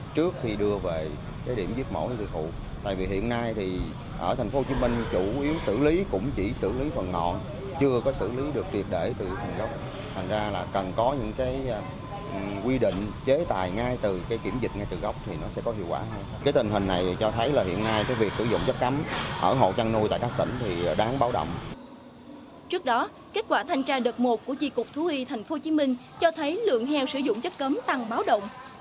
trước đó kết quả thanh tra đợt một của tri cục thú y tp hcm cho thấy lượng heo sử dụng chất cấm tăng báo động